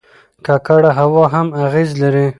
ککړه هوا هم اغېز لري.